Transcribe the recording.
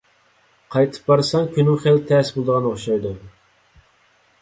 قايتىپ بارساڭ، كۈنۈڭ خېلى تەس بولىدىغان ئوخشايدۇ.